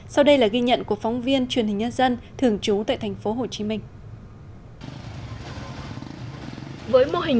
sau đây là ghi nhận của phóng viên truyền hình nhân dân